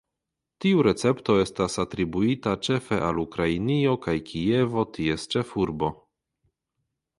Tiu recepto estas atribuita ĉefe al Ukrainio kaj Kievo ties ĉefurbo.